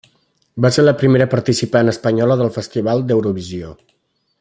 Va ser la primera participant espanyola del Festival d'Eurovisió.